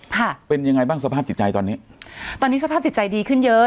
ค่ะเป็นยังไงบ้างสภาพจิตใจตอนนี้ตอนนี้สภาพจิตใจดีขึ้นเยอะ